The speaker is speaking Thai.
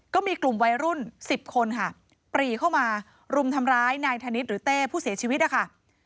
ก็มีกลุ่มวัยรุ่น๑๐คนค่ะปรีเข้ามารุมทำร้ายนายธนิษฐ์หรือเต้ผู้เสียชีวิตนะคะ